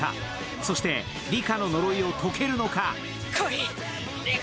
そして里香の呪いを解けるのか。